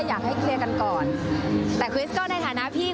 อยากให้เคลียร์กันก่อนแต่คริสก็ในฐานะพี่